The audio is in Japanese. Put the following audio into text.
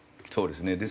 そうですね。